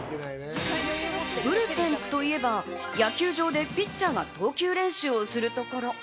ブルペンといえば、野球場でピッチャーが投球練習をするところ。